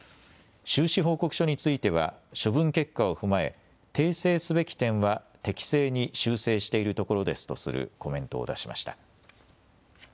収支報告書については処分結果を踏まえ訂正すべき点は適正に修正しているところですとするコメントを出しました。